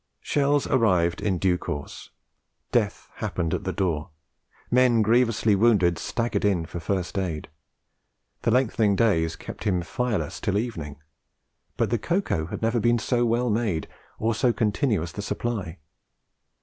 Shells arrived in due course; death happened at the door; men grievously wounded staggered in for first aid; the lengthening days kept him fireless till evening; but the cocoa had never been so well made, or so continuous the supply.